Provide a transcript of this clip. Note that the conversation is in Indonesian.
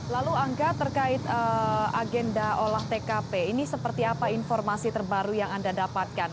lalu angga terkait agenda olah tkp ini seperti apa informasi terbaru yang anda dapatkan